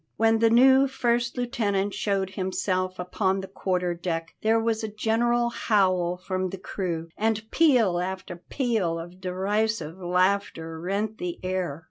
When the new first lieutenant showed himself upon the quarter deck there was a general howl from the crew, and peal after peal of derisive laughter rent the air.